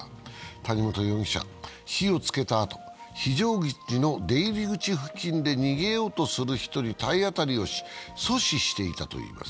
谷本容疑者、火をつけたあと、非常口の出入り口付近で逃げようとする人に体当たりをし阻止していたといいます。